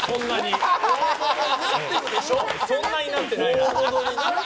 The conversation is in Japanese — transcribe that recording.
そんなになってないなって。